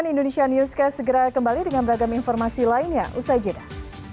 cnn indonesia newscast segera kembali dengan beragam informasi lainnya usai jeda